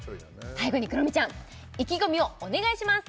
最後にクロミちゃん意気込みをお願いします